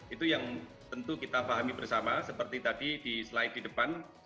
itu yang tentu kita pahami bersama seperti tadi di slide di depan